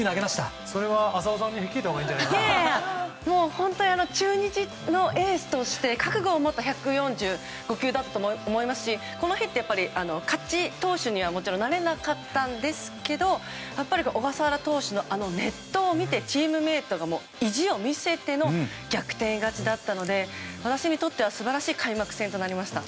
本当に中日のエースとして覚悟を持った１４５球だったと思いますしこの日は勝ち投手にはなれなかったんですけど小笠原投手の熱投を見てチームメートが意地を見せての逆転勝ちだったので私にとっては素晴らしい開幕戦となりました。